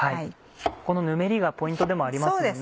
このヌメりがポイントでもありますもんね